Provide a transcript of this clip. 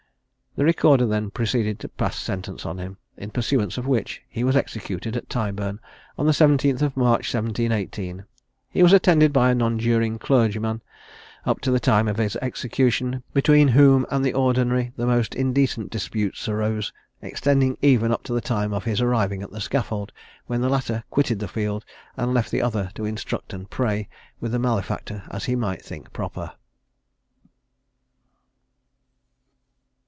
The Recorder then proceeded to pass sentence on him; in pursuance of which, he was executed at Tyburn on the 17th March, 1718. He was attended by a nonjuring clergyman up to the time of his execution, between whom and the ordinary the most indecent disputes arose, extending even up to the time of his arriving at the scaffold, when the latter quitted the field and left the other to instruct and pray with the malefactor as he might think proper.